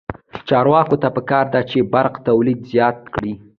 چارواکو ته پکار ده چې، برق تولید زیات کړي.